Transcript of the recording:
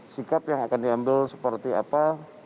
sikap yang akan diambil seperti apa